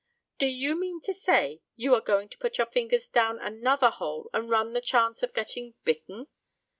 "Do you mean to say you are going to put your fingers down another hole and run the chance of getting bitten?"